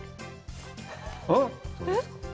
あっ！